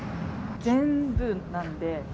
全部なんで。